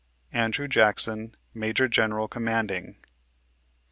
"ANDREW JACKSON, Major General Commanding."